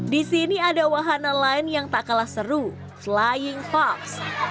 di sini ada wahana lain yang tak kalah seru flying fox